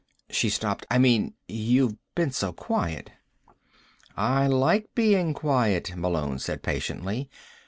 She stopped. "I mean, you've been so quiet." "I like being quiet," Malone said patiently.